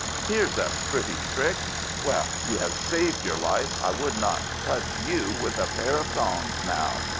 Here's a pretty trick! Well, you have saved your life; I would not touch you with a pair of tongs now!"